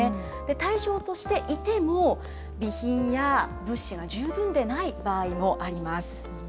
対象としていても、備品や物資が十分でない場合もあります。